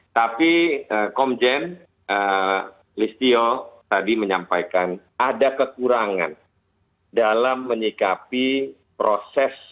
tapi komjen listio tadi menyampaikan ada kekurangan dalam menyikapi proses